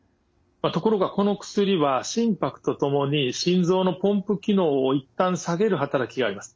ところがこの薬は心拍とともに心臓のポンプ機能を一旦下げる働きがあります。